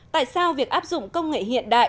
tại sao việc áp dụng công nghệ hiện đại